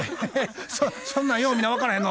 そんなんよう見な分からへんの？